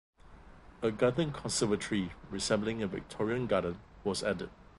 A Garden Conservatory resembling a Victorian garden was added.